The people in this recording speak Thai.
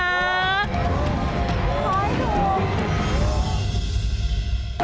ขายถูก